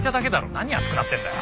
何熱くなってんだよ？